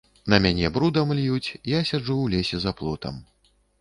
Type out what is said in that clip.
На мяне брудам льюць, я сяджу ў лесе за плотам.